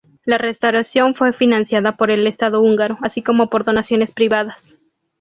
La restauración fue financiada por el estado húngaro, así como por donaciones privadas.